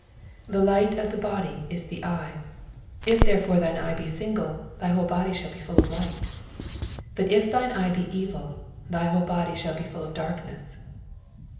22 The light of the body is the eve : if therefore thine eye l>e single, tny whole body shall be full of light. 28 But if tnine eve be evil, thy whole body shall be mil of darkness.